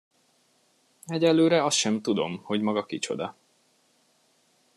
Egyelőre azt sem tudom, hogy maga kicsoda.